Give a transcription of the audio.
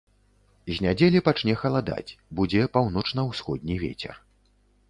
З нядзелі пачне халадаць, будзе паўночна-ўсходні вецер.